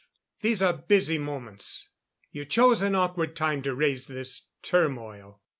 These are busy moments. You chose an awkward time to raise this turmoil.